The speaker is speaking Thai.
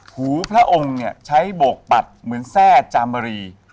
พระองค์เนี่ยใช้โบกปัดเหมือนแทร่จามรี